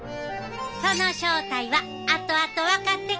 その正体はあとあと分かってくるで！